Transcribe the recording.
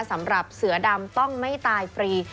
สำหรับเสือดำต้องไม่ตายฟรี